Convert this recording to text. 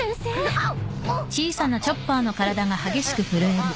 あっ！